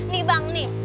nih bang nih